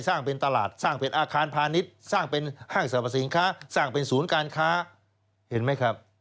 สร้างเป็นตลาดสร้างเป็นอาคารพาณิชย์สร้างเป็นห้างสรรพสินค้าสร้างเป็นศูนย์การค้าเห็นไหมครับ